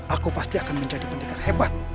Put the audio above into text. aku pasti akan menjadi pendekar hebat